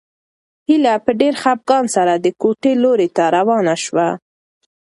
هیله په ډېر خپګان سره د کوټې لوري ته روانه شوه.